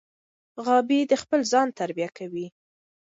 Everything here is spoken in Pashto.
غابي د خپل ځان تربیه کوي.